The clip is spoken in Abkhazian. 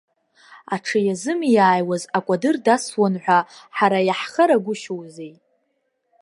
Аҽы иазымиааиуаз акәадыр дасуан ҳәа, ҳара иаҳхарагәышьоузеи.